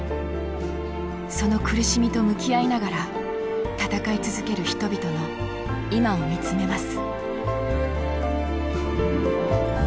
その苦しみと向き合いながら闘い続ける人々の今を見つめます。